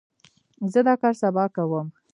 زه دا کار سبا کوم.